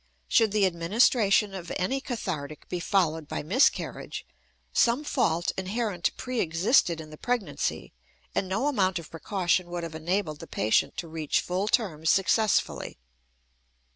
Should the administration of any cathartic be followed by miscarriage, some fault inherent preexisted in the pregnancy, and no amount of precaution would have enabled the patient to reach full term successfully.